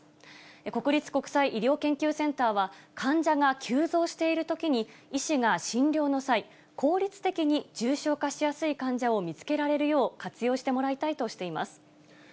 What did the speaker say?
国立国際医療研究センターは、患者が急増しているときに医師が診療の際、効率的に重症化しやすい患者を見つけられるよう、活用してもらいたいとしています。